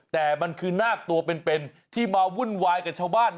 แต่มันคือนาคตัวเป็นที่มาวุ่นวายกับชาวบ้าน